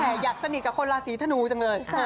แต่อยากสนิทกับคนราศีธนูจังเลย